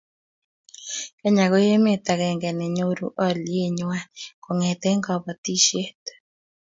Kenya ko emet agenge ne nyoru aliye nwai kongete batishet